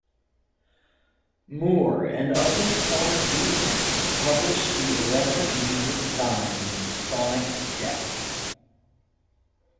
Moore and other Sonic Youth members published the irreverent music zine "Sonic Death".